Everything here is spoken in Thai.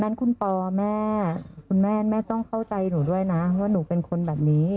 งั้นคุณปอแม่คุณแม่แม่ต้องเข้าใจหนูด้วยนะว่าหนูเป็นคนแบบนี้